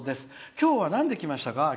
今日は何で来ましたか？